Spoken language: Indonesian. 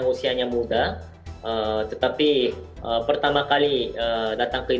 dan saya juga bisa memperbaiki kemahiran saya